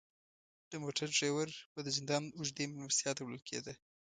د موټر دریور به د زندان اوږدې میلمستیا ته وړل کیده.